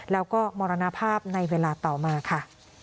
แล้วก็มรณภาพในเวลาต่อมาค่ะ